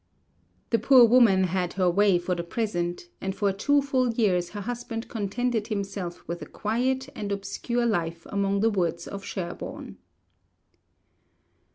The poor woman had her way for the present, and for two full years her husband contented himself with a quiet and obscure life among the woods of Sherborne.